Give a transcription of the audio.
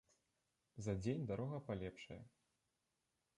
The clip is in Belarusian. За дзень дарога палепшае.